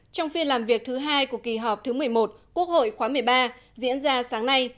trong phiên làm việc thứ hai của kỳ họp thứ một mươi một quốc hội khóa một mươi ba diễn ra sáng nay